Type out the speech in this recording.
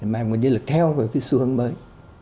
mà nguồn nhân lực theo với cái xu hướng mới